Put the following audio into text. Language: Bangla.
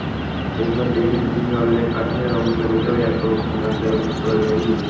এরপর দেশে বিদেশে অনেক আসরে অংশ নিলেও একক নাচে অংশ নিইনি।